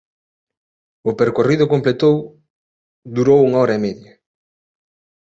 O percorrido completou durou unha hora e media.